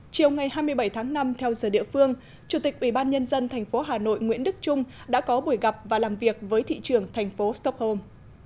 chiều ngày hai mươi bảy tháng năm theo giờ địa phương chủ tịch ủy ban nhân dân thành phố hà nội nguyễn đức trung đã có buổi gặp và làm việc với thị trưởng thành phố stockholm